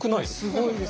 すごいです。